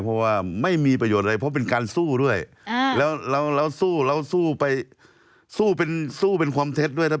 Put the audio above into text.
เพราะว่าไม่มีประโยชน์อะไรเพราะเป็นการสู้ด้วยแล้วสู้ไปสู้เป็นความเท็จด้วย